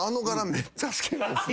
めっちゃ好きなんすよ。